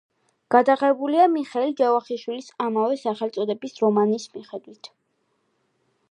გადაღებულია მიხეილ ჯავახიშვილის ამავე სახელწოდების რომანის მიხედვით.